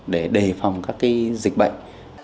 để đề phòng các dịch bệnh